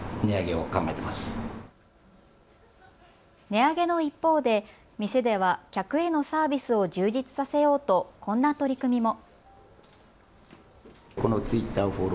値上げの一方で店では客へのサービスを充実させようとこんな取り組みも。